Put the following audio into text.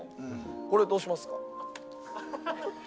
これ、どうしますか？